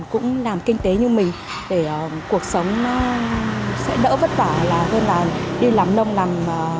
cũng làm kinh tế như mình để cuộc sống sẽ đỡ vất vả hơn là đi làm nông nằm